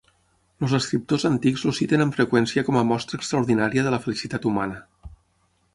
Els escriptors antics el citen amb freqüència com a mostra extraordinària de la felicitat humana.